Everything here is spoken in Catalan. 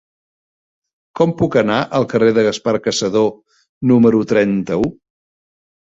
Com puc anar al carrer de Gaspar Cassadó número trenta-u?